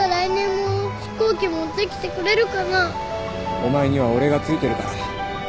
お前には俺がついてるから。